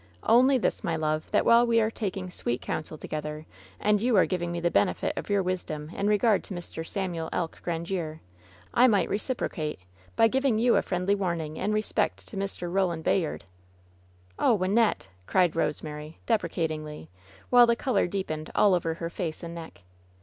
"Only this, my love : that while we are taking sweet oounsel together, and you are giving me the benefit of 16« LOVE'S BITTEREST CUP your wisdom in regard to Mr. Samuel Elk Grandiere, I might reciprocate by giving you a friendly warning in respect to Mr. Eoland Bayard !" "Oh, Wynnette!" cried Bosemary, deprecatingly, while the color deepened all over her face and neck.